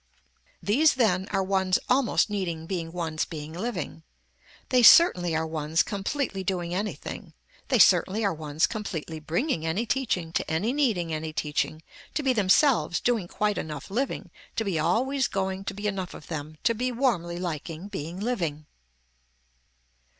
These then are ones almost needing being ones being living. They certainly are ones completely doing anything, they certainly are ones completely bringing any teaching to any needing any teaching to be themselves doing quite enough living to be always going to be enough of them to be warmly liking being living.